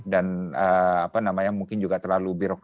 dan mungkin juga terlalu banyak